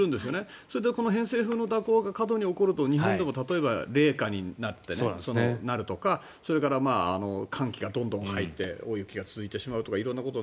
それで偏西風の蛇行が過度に起こると日本でも例えば、冷夏になるとかそれから寒気がどんどん入って大雪が続いてしまうとか色んなことが。